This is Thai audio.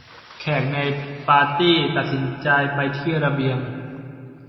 แขกในปาร์ตี้ตัดสินใจไปที่ระเบียง